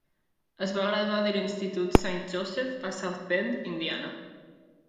Es va graduar de l'institut Saint Joseph a South Bend (Indiana).